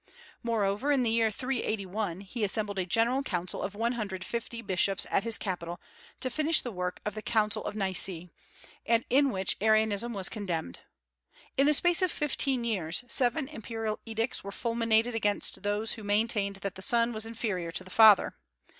Moreover, in the year 381 he assembled a general council of one hundred and fifty bishops at his capital, to finish the work of the Council of Nice, and in which Arianism was condemned. In the space of fifteen years seven imperial edicts were fulminated against those who maintained that the Son was inferior to the Father.